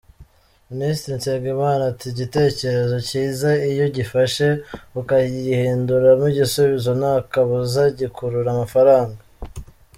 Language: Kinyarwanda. Minisitiri Nsengimana ati “Igitekerezo cyiza iyo ugifashe ukagihinduramo igisubizo nta kabuza gikurura amafaranga.